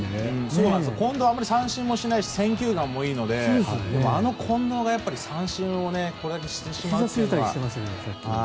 近藤は三振もしないし選球眼がいいのであの近藤が三振をこれだけしてしまうのは。